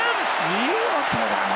見事だね！